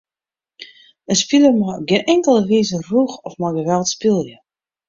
In spiler mei op gjin inkelde wize rûch of mei geweld spylje.